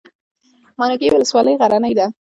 ماڼوګي ولسوالۍ غرنۍ ده؟